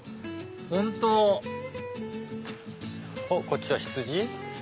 本当おっこっちは羊。